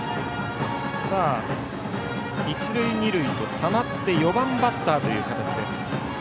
一塁二塁とたまって４番バッターという形。